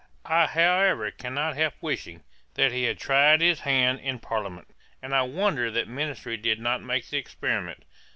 I however cannot help wishing, that he had 'tried his hand' in Parliament; and I wonder that ministry did not make the experiment.